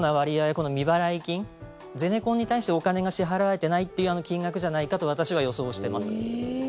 この未払い金ゼネコンに対してお金が支払われていないという金額じゃないかと私は予想しています。